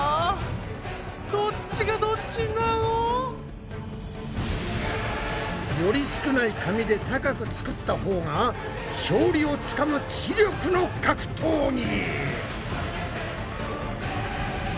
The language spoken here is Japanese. どっちがどっちなの？より少ない紙で高く作ったほうが勝利をつかむ知力の格闘技！